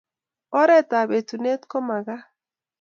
Oret ab etunet komakat